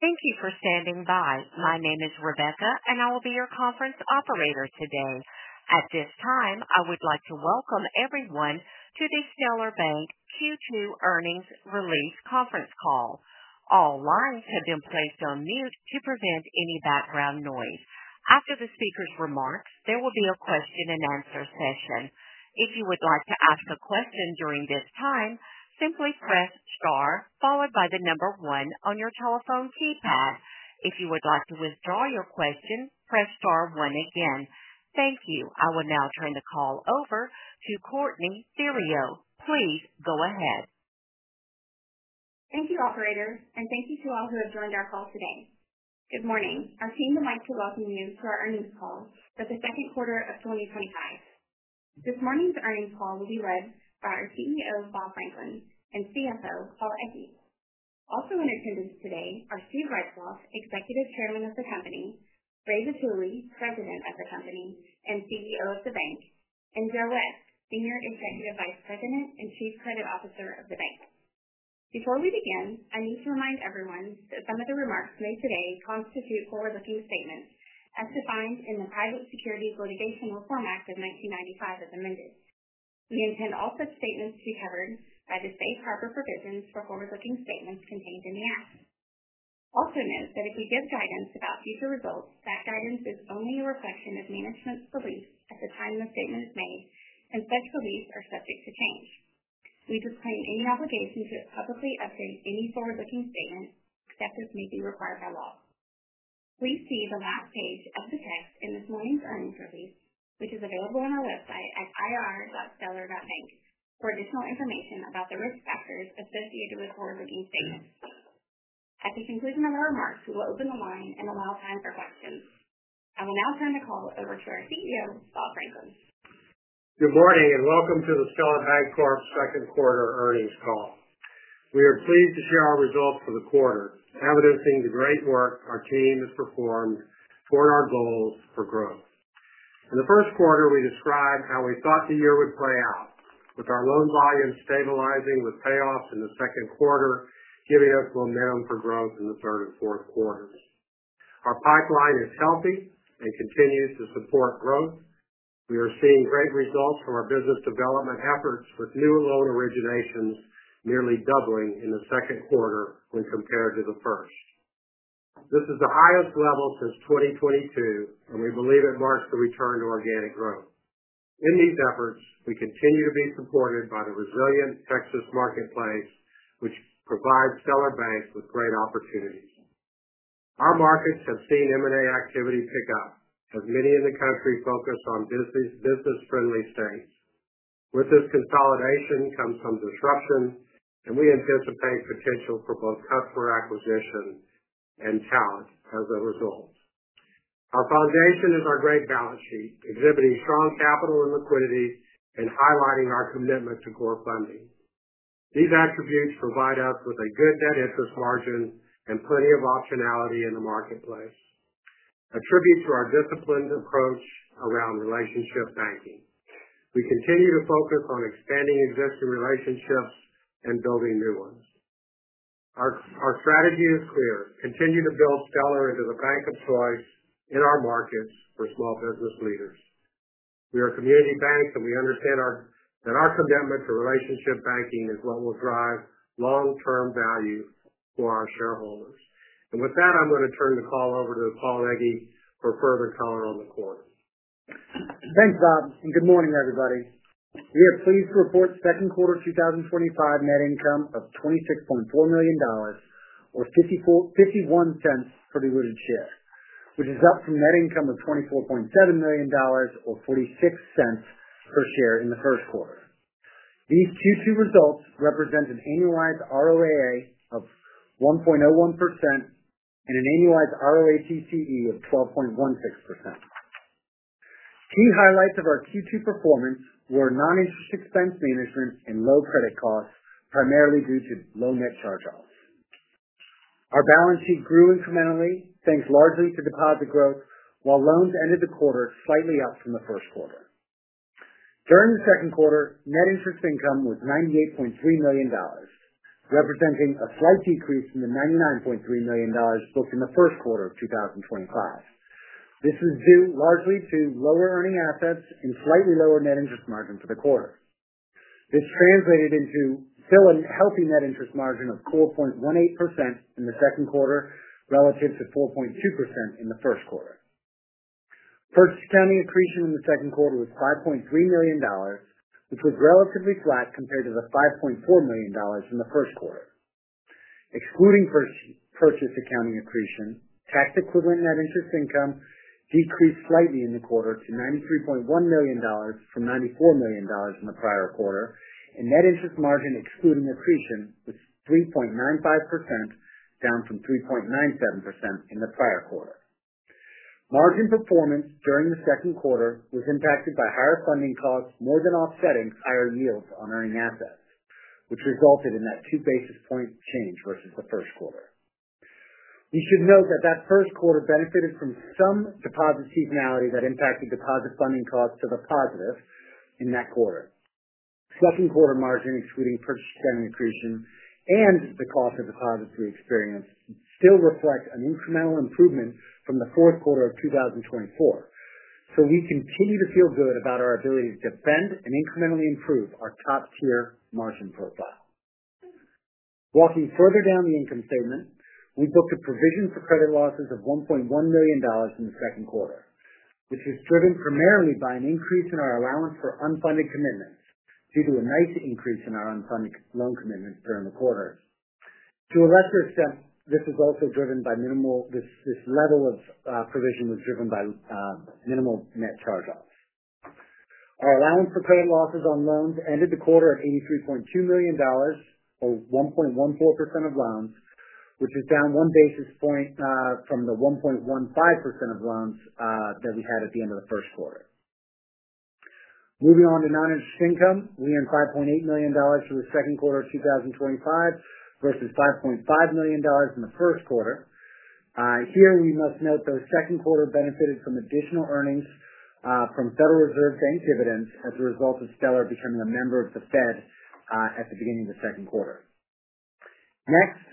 Thank you for standing by. My name is Rebecca, and I will be your conference operator today. At this time, I would like to welcome everyone to the Stellar Bancorp Q2 Earnings Release conference call. All lines have been placed on mute to prevent any background noise. After the speaker's remarks, there will be a question and answer session. If you would like to ask a question during this time, simply press star followed by the number one on your telephone keypad. If you would like to withdraw your question, press star one again. Thank you. I will now turn the call over to Courtney Theriot. Please go ahead. Thank you, operator, and thank you to all who have joined our call today. Good morning. I’ve seen the mic to welcome you to our earnings call for the second quarter of 2025. This morning’s earnings call will be led by our CEO, Robert Franklin, and CFO, Paul Egge. Also in attendance today are Steven Retzloff, Executive Chairman of the Company, Ramon Vitulli, President of the Company and CEO of the Bank, and Joe F. West, Jr., Senior Executive Vice President and Chief Credit Officer of the Bank. Before we begin, I need to remind everyone that some of the remarks made today constitute forward-looking statements as defined in the Private Securities Litigation Reform Act of 1995 as amended. We intend all such statements to be covered by the safe harbor provisions for forward-looking statements contained in the Act. Also note that if we give guidance about future results, that guidance is only a reflection of management’s beliefs at the time of statements made, and such beliefs are subject to change. We proclaim any obligation to publicly update any forward-looking statements, except as may be required by law. Please see the last page of the text in this morning’s earnings release, which is available on our website at ir.stellar.bank, for additional information about the risk factors associated with forward-looking statements. At the conclusion of our remarks, we will open the line and allow time for questions. I will now turn the call over to our CEO, Robert Franklin. Good morning and welcome to the Stellar Bancorp second quarter earnings call. We are pleased to share our results for the quarter, evidencing the great work our team has performed toward our goals for growth. In the first quarter, we described how we thought the year would play out, with our loan volume stabilizing with payoffs in the second quarter, healing up momentum for growth in the third and fourth quarters. Our pipeline is healthy and continues to support growth. We are seeing great results from our business development efforts, with new loan originations nearly doubling in the second quarter when compared to the first. This is the highest level since 2022, and we believe it marks the return to organic growth. In these efforts, we continue to be supported by the resilient Texas marketplace, which provides Stellar Bancorp with great opportunities. Our markets have seen M&A activity pick up, as many in the country focus on business-friendly states. With this consolidation comes some disruption, and we anticipate potential for both customer acquisition and talent as a result. Our foundation is our great balance sheet, exhibiting strong capital and liquidity and highlighting our commitment to core funding. These attributes provide us with a good net interest margin and plenty of optionality in the marketplace, a tribute to our disciplined approach around relationship banking. We continue to focus on expanding existing relationships and building new ones. Our strategy is clear: continue to build Stellar into the bank of choice in our markets for small business leaders. We are a community bank, so we understand that our commitment to relationship banking is what will drive long-term value for our shareholders. With that, I'm going to turn the call over to Paul Egge for further color on the quarter. Thanks, Bob, and good morning, everybody. We are pleased to report second quarter 2025 net income of $26.4 million or $0.51 per share, which is up from net income of $24.7 million or $0.46 per share in the first quarter. These Q2 results represent an annualized ROAA of 1.01% and an annualized ROACCE of 12.16%. Key highlights of our Q2 performance were non-expense management and low credit costs, primarily due to low net charge-offs. Our balance sheet grew incrementally, thanks largely to deposit growth, while loans ended the quarter slightly up from the first quarter. During the second quarter, net interest income was $98.3 million, representing a slight decrease from the $99.3 million booked in the first quarter of 2025. This is due largely to lower earning assets and slightly lower net interest margin for the quarter. This translated into still a healthy net interest margin of 4.18% in the second quarter, relative to 4.2% in the first quarter. Purchase accounting accretion in the second quarter was $5.3 million, which was relatively flat compared to the $5.4 million in the first quarter. Excluding purchase accounting accretion, tax equivalent net interest income decreased slightly in the quarter to $93.1 million from $94 million in the prior quarter, and net interest margin excluding accretion was 3.95%, down from 3.97% in the prior quarter. Margin performance during the second quarter was impacted by higher funding costs more than offsetting higher yields on earning assets, which resulted in that two basis point change versus the first quarter. We should note that the first quarter benefited from some deposit seasonality that impacted deposit funding costs to the positive in that quarter. Second quarter margin, excluding purchase accounting accretion and the cost of deposits we experienced, still reflects an incremental improvement from the fourth quarter of 2024. We continue to feel good about our ability to defend and incrementally improve our top-tier margin profile. Walking further down the income statement, we booked a provision for credit losses of $1.1 million in the second quarter. This is driven primarily by an increase in our allowance for unfunded commitments due to a nice increase in our unfunded loan commitments during the quarter. To a lesser extent, this was also driven by minimal. This level of provision was driven by minimal net charge-offs. Our allowance for credit losses on loans ended the quarter at $83.2 million or 1.14% of loans, which is down one basis point from the 1.15% of loans that we had at the end of the first quarter. Moving on to non-interest income, we earned $5.8 million in the second quarter of 2025 versus $5.5 million in the first quarter. Here we must note that the second quarter benefited from additional earnings from Federal Reserve Bank dividends as a result of Stellar Bancorp becoming a member of the Fed at the beginning of the second quarter. Next,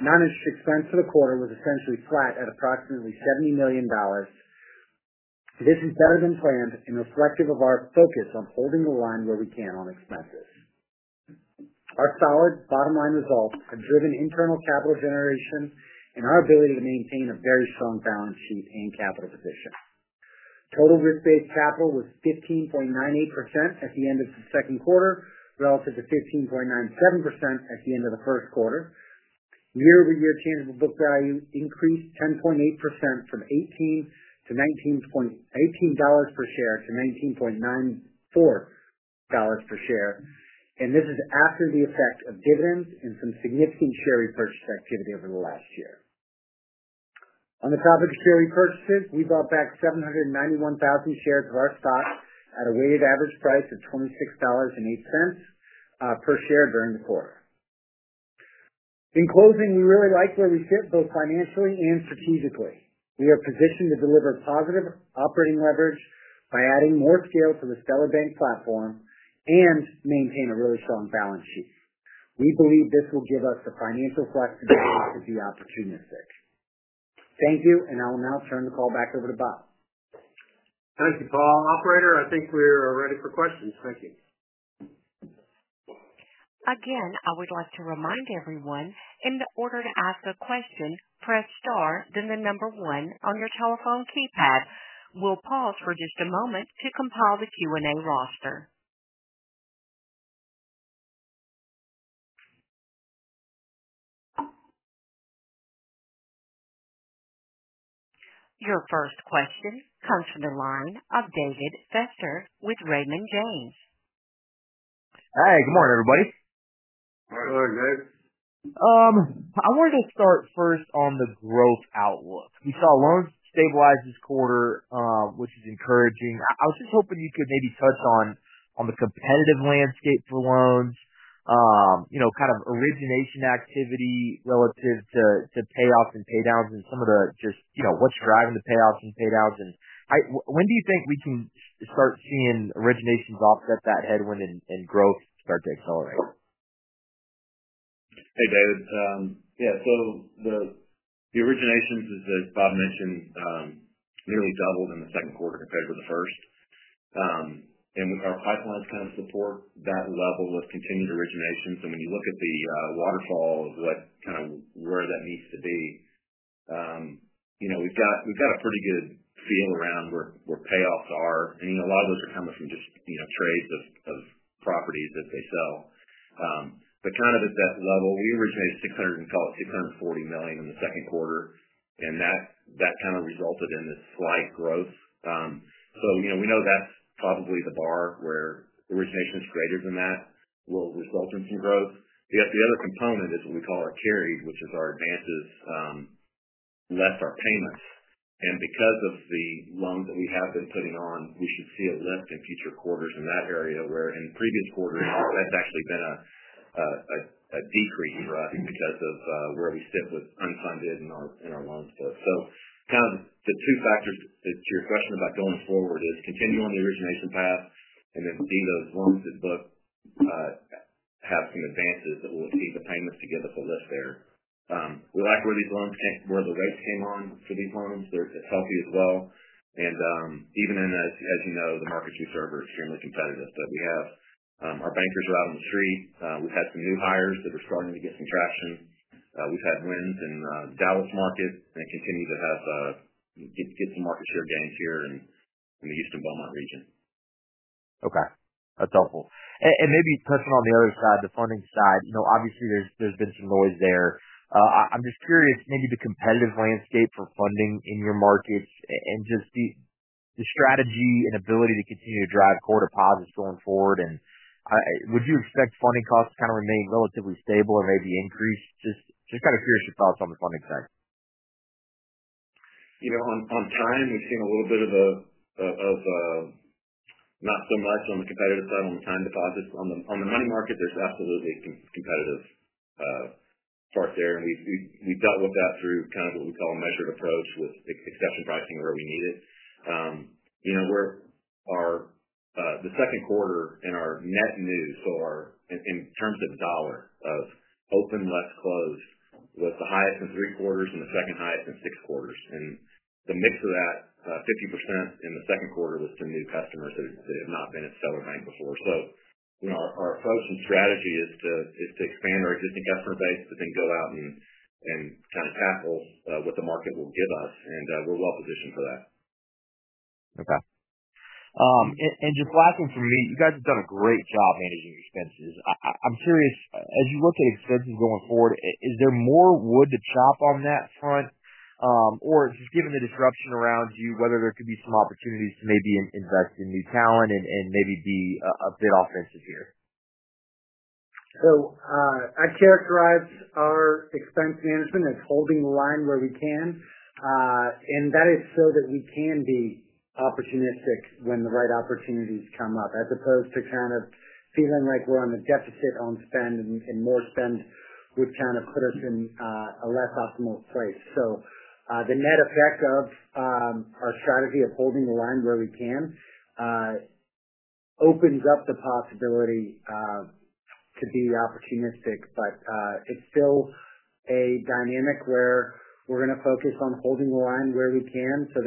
non-interest expense for the quarter was essentially flat at approximately $70 million. This has better been planned and reflective of our focus on holding the line where we can on expenses. Our solid bottom-line results have driven internal capital generation and our ability to maintain a very strong balance sheet and capital position. Total risk-based capital was 15.98% at the end of the second quarter relative to 15.97% at the end of the first quarter. Year-over-year tangible book value increased 10.8% from $18.19 per share to $19.94 per share, and this is after the effects of dividends and some significant share repurchase activity over the last year. On the topic of the share repurchases, we bought back 791,000 shares of our stock at a weighted average price of $26.08 per share during the quarter. In closing, we really like where we sit both financially and strategically. We are positioned to deliver positive operating leverage by adding more scale to the Stellar Bank platform and maintain a really strong balance sheet. We believe this will give us the financial flexibility to do opportunistic. Thank you, and I will now turn the call back over to Bob. Thank you, Paul. Operator, I think we are ready for questions. Thank you. Again, I would like to remind everyone, in order to ask a question, press star then the number one on your telephone keypad. We'll pause for just a moment to compile the Q&A roster. Your first question comes from the line of David Feaster with Raymond James. Hey, good morning, everybody. Morning, guys. I wanted to start first on the growth outlook. You saw loans stabilize this quarter, which is encouraging. I was just hoping you could maybe touch on the competitive landscape for loans, kind of origination activity relative to payoffs and paydowns, and what's driving the payoffs and paydowns. When do you think we can start seeing originations offset that headwind and growth start to accelerate? Hey, David. Yeah, so the originations, as Bob mentioned, nearly doubled in the second quarter compared to the first. Our pipelines kind of support that level with continued originations. When you look at the waterfall of what kind of where that needs to be, we've got a pretty good feel around where payoffs are. A lot of those are coming from just trades of properties that they sell. At that level, we originated $640 million in the second quarter, and that resulted in this slight growth. We know that's probably the bar where originations greater than that will result in some growth. The other component is what we call our carried, which is our advances less our payments. Because of the loans that we have been putting on, we should see a lift in future quarters in that area, where in previous quarters that's actually been a decrease, right, because of where we sit with unfunded in our loans book. The two factors to your question about going forward are to continue on the origination path and then see those loans that have some advances that will see the payments together for less there. We like where these loans came, where the rents came on for these loans. It's healthy as well. Even in, as you know, the markets we serve are extremely competitive. We have our bankers out on the street. We've had some new hires that are starting to get some traction. We've had wins in the Dallas market and continue to get some market share gains here in the Eastern Beaumont region. Okay, that's helpful. Maybe touching on the other side, the funding side, obviously there's been some noise there. I'm just curious, maybe the competitive landscape for funding in your markets and just the strategy and ability to continue to drive core deposits going forward. Would you expect funding costs to kind of remain relatively stable or maybe increase? Just kind of hear your thoughts on the funding side. On trend, we've seen a little bit of a not so much on the competitive side on the time deposits. On the money market, there's absolutely competitive parts there. We've dealt with that through kind of what we call a measured approach with exception pricing where we need it. Our net news for our in terms of dollar of open less close was the highest in three quarters and the second highest in six quarters. The mix of that, 50% in the second quarter, was to new customers that have not been at Stellar Bank before. Our approach and strategy is to expand our existing customer base but then go out and kind of tackle what the market will give us. We're well positioned for that. Okay. Just last one for me, you guys have done a great job managing expenses. I'm curious, as you look at expenses going forward, is there more wood to chop on that front? Is this given the disruption around you, whether there could be some opportunities to maybe invest in new talent and maybe be a bit offensive here? I characterize our expense management as holding the line where we can. That is so that we can be opportunistic when the right opportunities come up, as opposed to kind of feeling like we're on the deficit on spend and more spend would kind of put us in a less optimal place. The net effect of our strategy of holding the line where we can opens up the possibility to be opportunistic. It's still a dynamic where we're going to focus on holding the line where we can so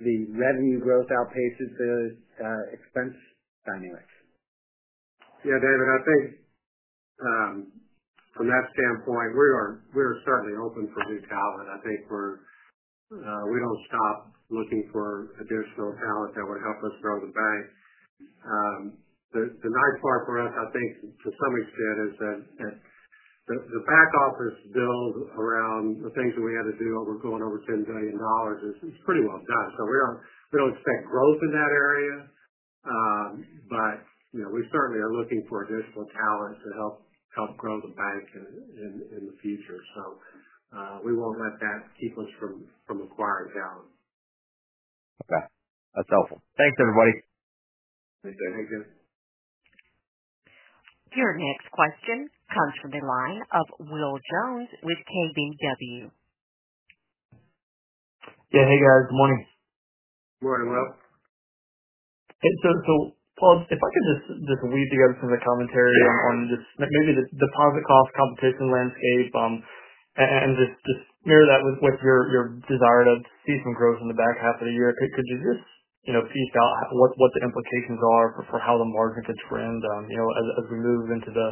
that the revenue growth outpaces those expense dynamics. Yeah, David, I think from that standpoint, we are certainly open for new talent. I think we don't stop looking for additional talent that would help us grow the bank. The nice part for us, I think, to some extent, is that the back office build around the things that we had to do over going over $10 billion is pretty well done. We don't expect growth in that area. You know, we certainly are looking for additional talent to help grow the bank in the future. We won't let that keep us from acquiring talent. Okay, that's helpful. Thanks, everybody. Thanks, David. Thanks, David. Your next question comes from the line of Will Jones with KBW. Yeah, hey guys. Good morning. Good morning, Will. Paul, if I could just read together some of the commentary on just maybe the deposit cost competition landscape, and just pair that with your desire to see some growth in the back half of the year. Could you just tease out what the implications are for how the market could trend on, you know, as we move into the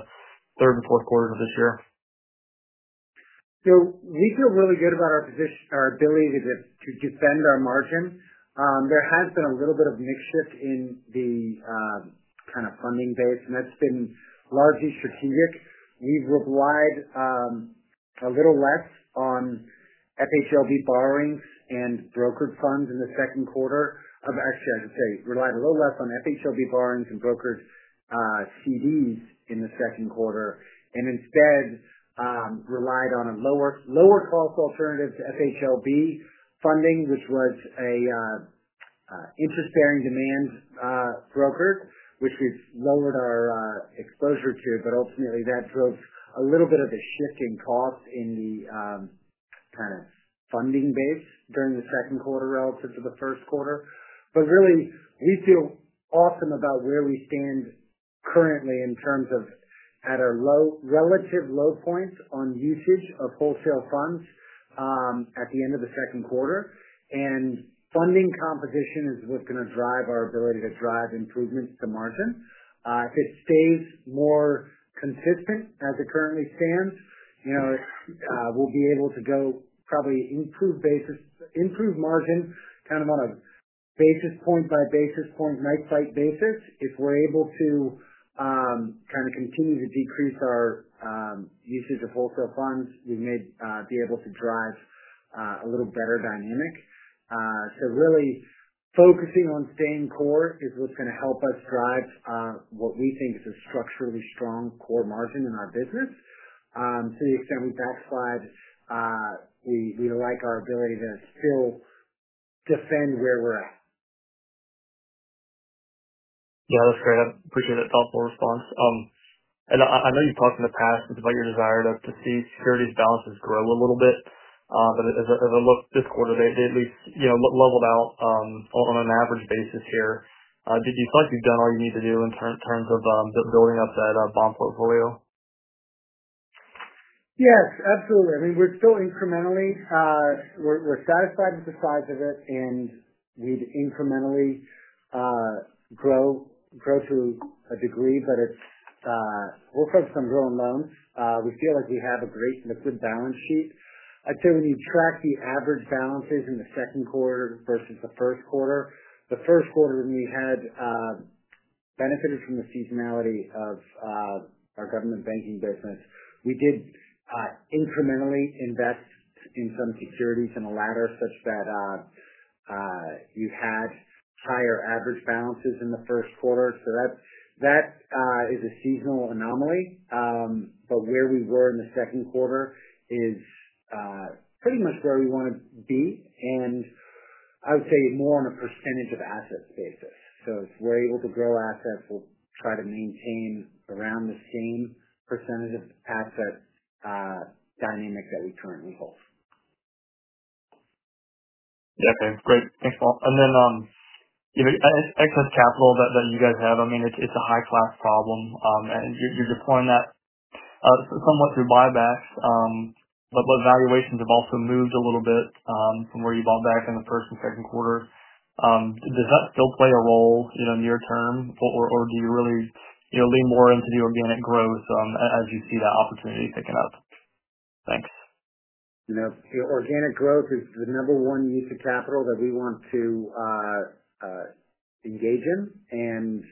third and fourth quarters of this year? We feel really good about our position, our ability to defend our margin. There has been a little bit of a mixed shift in the kind of funding base, and that's been largely strategic. We've relied a little less on FHLB borrowings and brokered funds in the second quarter. I should say, relied a little less on FHLB borrowings and brokered CDs in the second quarter and instead relied on a lower-cost alternative to FHLB funding, which was an interest-bearing demand broker, which we've lowered our exposure to. Ultimately, that drove a little bit of a shift in cost in the kind of funding base during the second quarter relative to the first quarter. We feel awesome about where we stand currently in terms of at our low relative low points on usage of wholesale funds at the end of the second quarter. Funding composition is what's going to drive our ability to drive improvements to margin. If it stays more consistent as it currently stands, we'll be able to probably improve basis, improve margin kind of on a basis point by basis point, night-price basis. If we're able to continue to decrease our usage of wholesale funds, you may be able to drive a little better dynamic. Really focusing on staying core is what's going to help us drive what we think is a structurally strong core margin in our business. To the extent we backslide, we like our ability to still defend where we're at. Yeah, that was great. I appreciate that thoughtful response. I know you've talked in the past about your desire to see securities balances grow a little bit. As I look this quarter, they at least, you know, leveled out on an average basis here. Do you feel like you've done all you need to do in terms of building up that bond portfolio? Yes, absolutely. I mean, we're still incrementally satisfied with the size of it, and we'd incrementally grow to a degree, but we're focused on growing loans. We feel like we have a great and a good balance sheet. I'd say when you track the average balances in the second quarter versus the first quarter, the first quarter we had benefited from the seasonality of our government banking business. We did incrementally invest in some securities in the latter such that you had higher average balances in the first quarter. That is a seasonal anomaly. Where we were in the second quarter is pretty much where we want to be. I would say more on a percentage of asset basis. If we're able to grow assets, we'll try to maintain around the same percentage of assets dynamics that we currently hold. Yeah, okay. Great. Thanks, Paul. You know, excess capital that you guys have, I mean, it's a high-class problem, and you're deploying that somewhat through buybacks. What valuations have also moved a little bit from where you bought back in the first and second quarter. Does that still play a role, you know, near-term, or do you really lean more into the organic growth, as you see that opportunity picking up? Thanks, you know Organic growth is the number one use of capital that we want to engage in.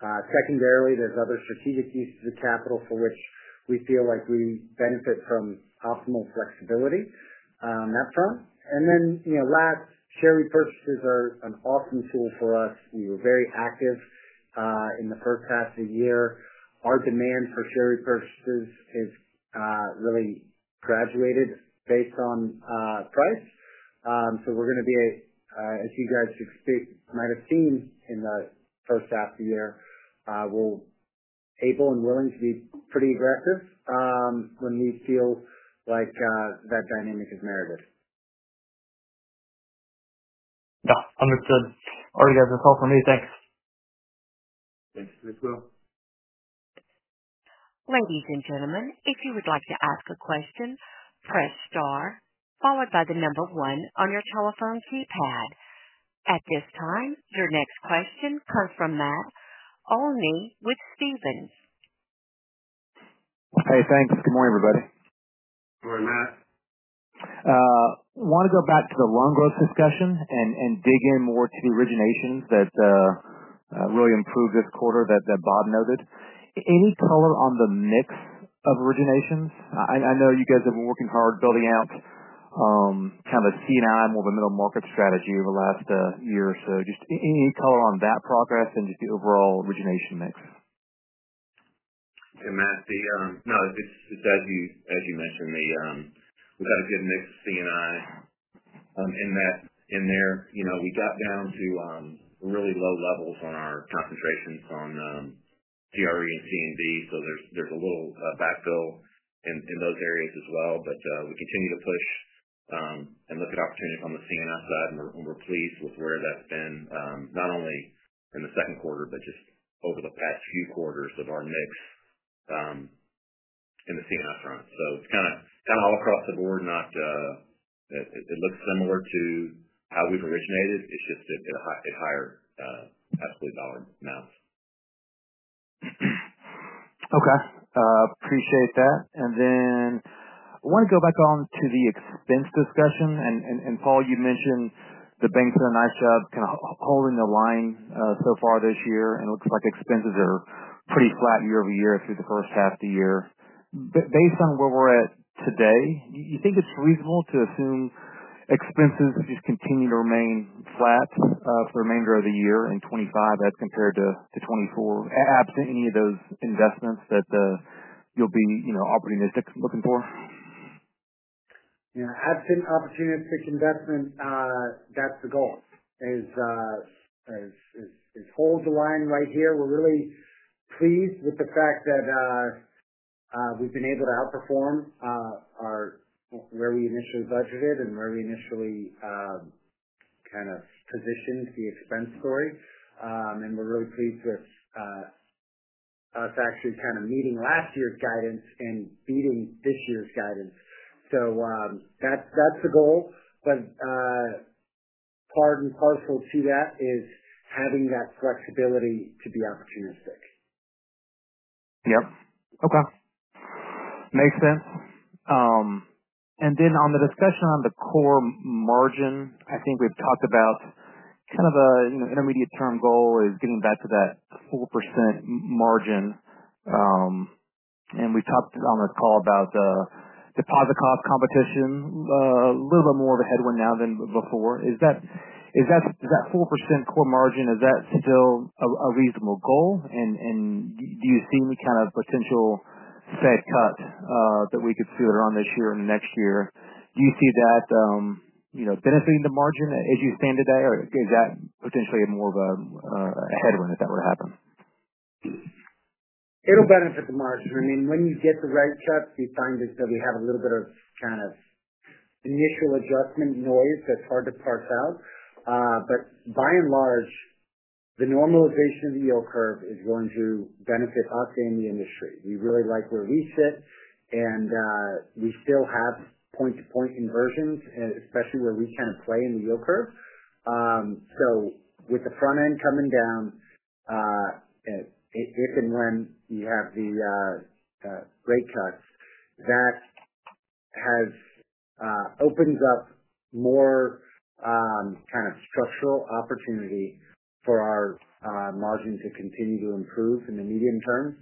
Secondarily, there's other strategic uses of capital for which we feel like we benefit from optimal flexibility on that front. Last, share repurchases are an awesome tool for us. We were very active in the first half of the year. Our demand for share repurchases has really graduated based on price. We're going to be, as you guys might have seen in the first half of the year, able and willing to be pretty aggressive when we feel like that dynamic is merited. Yeah, understood. All right, guys. That's all for me. Thanks. Thanks, Will. Ladies and gentlemen, if you would like to ask a question, press star followed by the number one on your telephone keypad. At this time, your next question comes from Matt Olney with Stephens. Hey, thanks. Good morning, everybody. Morning, Matt. I want to go back to the loan growth discussion and dig in more to the originations that really improved this quarter that Bob noted. Any color on the mix of originations? I know you guys have been working hard building out kind of a C&I more of a middle market strategy over the last year. Just any color on that progress and the overall origination mix? Sure, Matt. As you mentioned, we've got a good mix of C&I in there. We got down to really low levels on our concentrations on CRE and C&I, so there's a little backfill in those areas as well. We continue to push and look at opportunities on the C&I side, and we're pleased with where that's been, not only in the second quarter, but just over the past few quarters of our mix in the C&I front. It's kind of all across the board. It looks similar to how we've originated, it's just that they're higher absolute dollar amounts. Okay. Appreciate that. I want to go back on to the expense discussion. Paul, you mentioned the banks are nice about kind of holding the line so far this year, and it looks like expenses are pretty flat year over year through the first half of the year. Based on where we're at today, you think it's reasonable to assume expenses just continue to remain flat for the remainder of the year in 2025 as compared to 2024, absent any of those investments that you'll be operating as looking for? Yeah, absent opportunistic investment, that's a goal. As we hold the line right here, we're really pleased with the fact that we've been able to outperform where we initially budgeted and where we initially kind of positioned the expense story. We're really pleased with us actually kind of meeting last year's guidance and beating this year's guidance. That's a goal. Part and parcel to that is having that flexibility to be opportunistic. Yep. Okay. Makes sense. On the discussion on the core margin, I think we've talked about kind of an intermediate-term goal is getting back to that 4% margin. We talked on the call about the deposit cost competition, a little bit more of a headwind now than before. Is that 4% core margin still a reasonable goal? Do you see any kind of potential Fed cut that we could see later on this year and the next year? Do you see that benefiting the margin as you stand it there, or is that potentially more of a headwind if that were to happen? It'll benefit the market. I mean, when you get the right cuts, you find yourself, you have a little bit of initial adjustment noise that's hard to parse out, but by and large, the normalization of the yield curve is going to benefit, I mean, the industry. We really like where we sit, and we still have point-to-point inversions, especially where we kind of play in the yield curve. With the front end coming down, if and when you have the rate cuts, that opens up more structural opportunity for our margins to continue to improve in the medium term.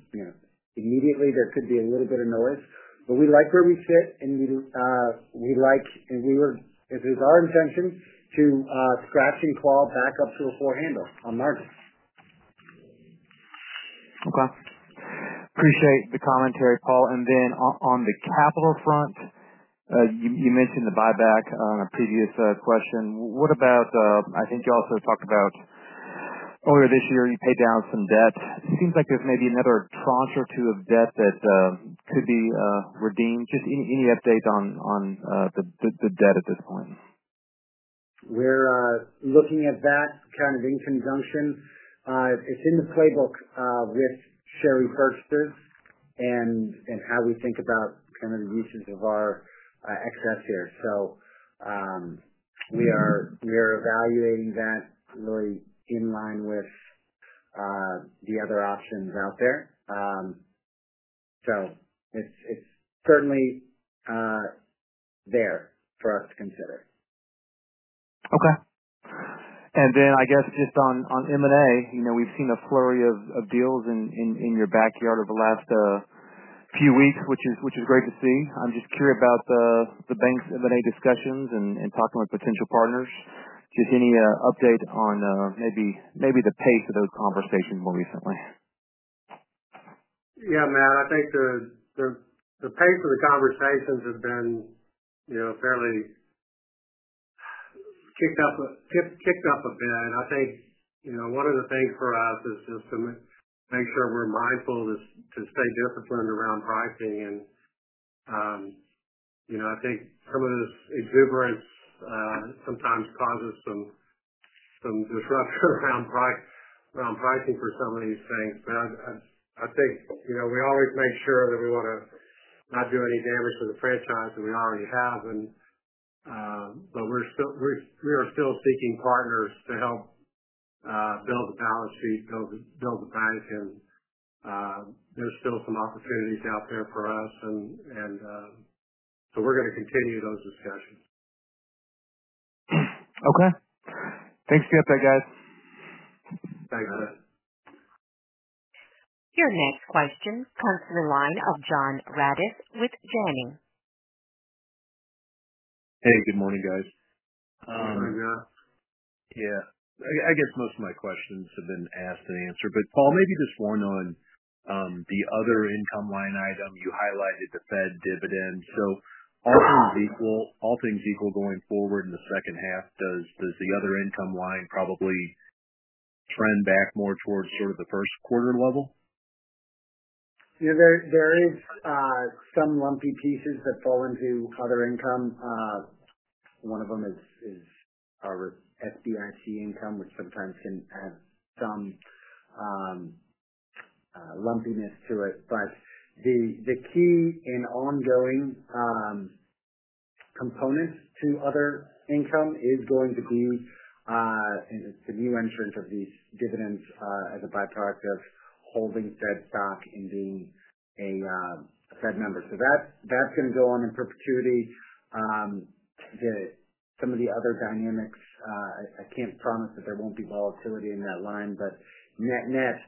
Immediately, there could be a little bit of noise, but we like where we sit, and we like, and we were, if it was our intention, to scratch and claw back up to a core handle on margins. Okay. Appreciate the commentary, Paul. On the capital front, you mentioned the buyback on a previous question. What about, I think you also talked about earlier this year, you paid down some debt. It seems like there's maybe another tranche or two of debt that could be redeemed. Just any update on the debt at this point? We're looking at that kind of in conjunction. It's in the playbook with share repurchases and how we think about the usage of our excess here. We are evaluating that really in line with the other options out there. It's certainly there for us to consider. Okay. I guess just on M&A, you know, we've seen a flurry of deals in your backyard over the last few weeks, which is great to see. I'm just curious about the bank's M&A discussions and talking with potential partners. Just any update on maybe the pace of those conversations more recently? Yeah, Matt. I think the pace of the conversations has apparently kicked up a bit. I think one of the things for us is just to make sure we're mindful to stay disciplined around pricing. I think some of the exuberance sometimes causes some disruption around pricing for some of these things. I think we always make sure that we want to not do any damage to the franchise that we already have. We're still seeking partners to help build the balance sheet, build the bank. There are still some opportunities out there for us, and we're going to continue those discussions. Okay, thanks for the update, guys. Thanks, man. Your next question comes from the line of John Radis with Warner. Hey, good morning, guys. Hey, John. Yeah, I guess most of my questions have been asked and answered. Paul, maybe this one on the other income line item you highlighted, the Fed dividend. All things equal, all things going forward in the second half, does the other income line probably trend back more towards sort of the first quarter level? There are some lumpy pieces that fall into other income. One of them is our FDIC income, which sometimes can have some lumpiness to it. The key and ongoing components to other income are going to be, and it's a new entrant, these dividends as a byproduct of holding Fed stock and being a Fed member. That's going to go on in perpetuity. You know, some of the other dynamics, I can't promise that there won't be volatility in that line. Net, net,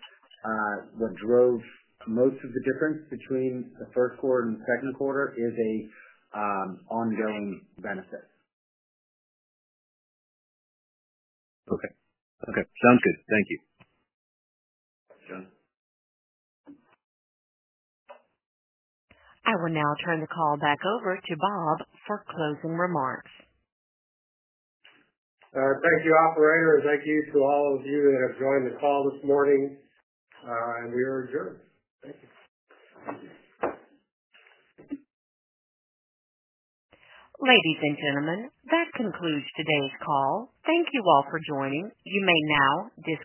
what drove most of the difference between the first quarter and the second quarter is ongoing benefits. Okay. Sounds good. Thank you. I will now turn the call back over to Bob for closing remarks. Thank you, operator. Thank you to all of you that have joined the call this morning. We are adjourned. Ladies and gentlemen, that concludes today's call. Thank you all for joining. You may now disconnect.